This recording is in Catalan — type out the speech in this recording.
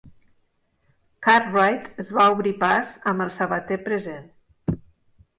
Cartwright es va obrir pas, amb el sabater present.